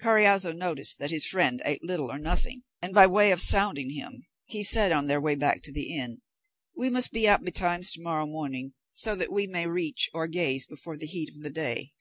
Carriazo noticed that his friend ate little or nothing, and, by way of sounding him, he said on their way back to the inn, "We must be up betimes to morrow morning, so that we may reach Orgez before the heat of the day."